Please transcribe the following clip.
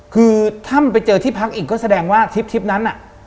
คือถ้าไปเจอที่พักอีกก็แสดงว่าทริปนั้นน่ะ